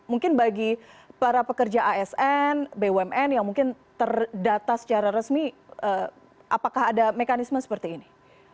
mungkin bagi para pekerja asn bumn yang mungkin terdata secara resmi apakah ada mekanisme seperti ini